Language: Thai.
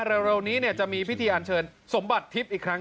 เร็วนี้จะมีพิธีอันเชิญสมบัติทิพย์อีกครั้ง